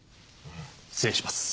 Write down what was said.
失礼します。